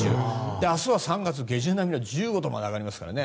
明日は３月下旬並みの１５度まで上がりますから。